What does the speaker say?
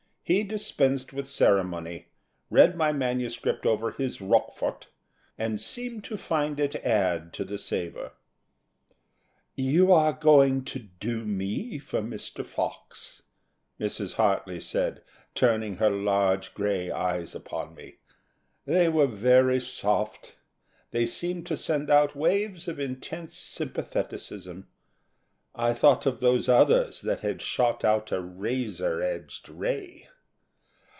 He dispensed with ceremony, read my manuscript over his Roquefort, and seemed to find it add to the savour. "You are going to do me for Mr. Fox," Mrs. Hartly said, turning her large grey eyes upon me. They were very soft. They seemed to send out waves of intense sympatheticism. I thought of those others that had shot out a razor edged ray.